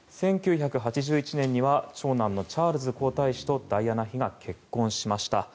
１９８１年には長男のチャールズ皇太子とダイアナ妃が結婚しました。